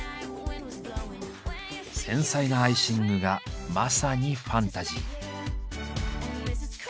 繊細なアイシングがまさにファンタジー。